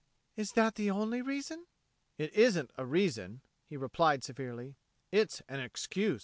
"Is that the only reason?" "It isn't a reason," he replied severely. "It's an excuse."